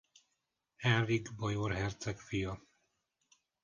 Henrik bajor herceg fia.